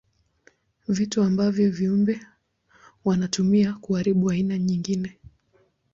Vitu ambavyo viumbe wanatumia kuharibu aina nyingine.